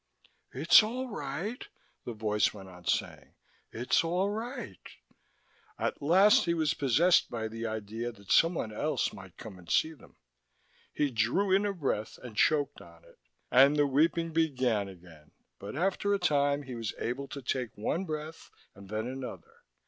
"It's all right," the voice went on saying. "It's all right." At last he was possessed by the idea that someone else might come and see them. He drew in a breath and choked on it, and the weeping began again, but after a time he was able to take one breath and then another.